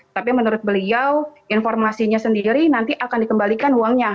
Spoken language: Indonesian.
tapi menurut beliau informasinya sendiri nanti akan dikembalikan uangnya